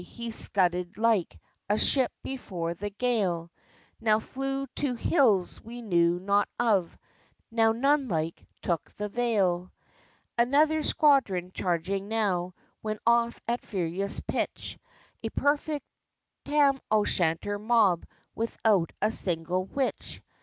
he scudded like A ship before the gale; Now flew to "_h_ills we know not of," Now, nun like, took the vale. Another squadron charging now, Went off at furious pitch; A perfect Tam o' Shanter mob, Without a single witch.